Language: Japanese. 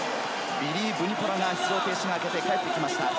ビリー・ヴニポラが出場停止が明けて帰ってきました。